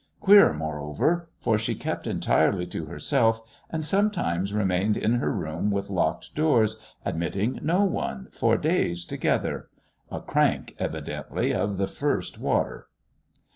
Queer, moreover; for she kept entirely to herself, and sometimes remained in her room with locked doors, admitting no one, for days together: a "crank," evidently, of the first water.